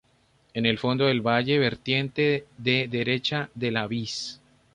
En el fondo del valle, vertiente de derecha de la Vis.